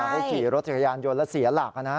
เขาขี่รถกระยานโยนแล้วเสียหลักนะ